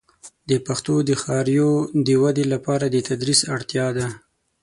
د پښتو د ښاریو د ودې لپاره د تدریس اړتیا ده.